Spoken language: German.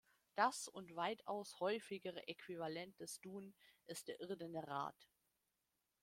Das und weitaus häufigere Äquivalent des Dun ist der irdene Rath.